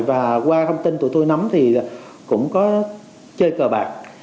và qua thông tin tụi tôi nắm thì cũng có chơi cờ bạc